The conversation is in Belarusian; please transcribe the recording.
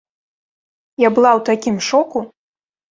Я была ў такім шоку!